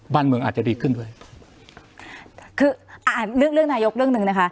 บ้านเมืองอาจจะดีขึ้นด้วยคืออ่าเรื่องเรื่องนายกเรื่องหนึ่งนะคะ